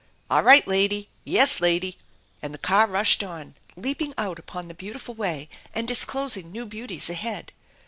"All right, lady. Yes, lady !" And the car rushed on, leaping out upon the beautiful way and disclosing new beauties ahead.